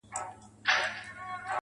ځكه د كلي مشر ژوند د خواركي ورانوي.